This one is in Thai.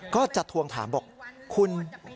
ก็จะทวงถามบอกคุณ